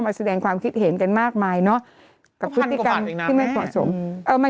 ถอดรอยากตำรออย่างนี้ไหม